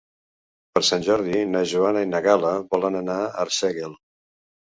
Per Sant Jordi na Joana i na Gal·la volen anar a Arsèguel.